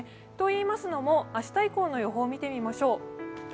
といいますのも明日以降の予報を見てみましょう。